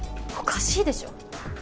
おかしいでしょ。